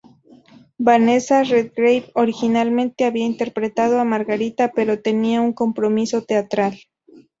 Vanessa Redgrave originalmente había interpretado a Margarita, pero tenía un compromiso teatral.